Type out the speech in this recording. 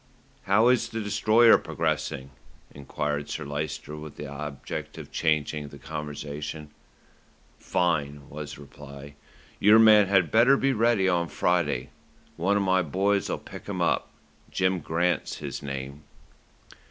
"How is the Destroyer progressing?" enquired Sir Lyster with the object of changing the conversation. "Fine," was the reply. "Your man had better be ready on Friday. One of my boys'll pick him up, Jim Grant's his name."